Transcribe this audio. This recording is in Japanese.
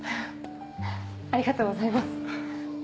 ありがとうございます。